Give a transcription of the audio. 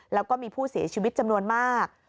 แล้วก็มีผู้เสียชีวิตจำนวนมาก